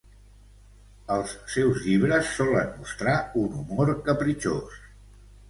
Els seus llibres solen mostrar un humor capritxós.